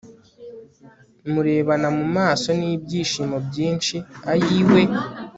murebana mu maso n'ibyishimo byinshi ayiwe